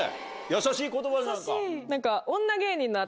優しい言葉じゃんか。